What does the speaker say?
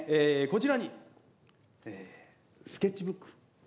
こちらにスケッチブック。